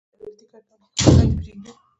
دولتي کارکوونکي خپلې دندې پرېږدي.